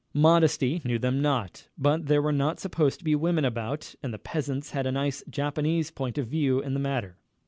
Modesty knew them not, but there were not supposed to be women about, and the peasants had a nice Japanese point of view in the matter.